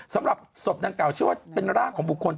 สำหรับศพดังกล่าเชื่อว่าเป็นร่างของบุคคล